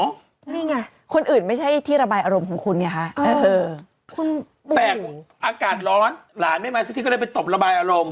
นี่ไงคนอื่นไม่ใช่ที่ระบายอารมณ์ของคุณไงคะคุณแตกอากาศร้อนหลานไม่มาสักทีก็เลยไปตบระบายอารมณ์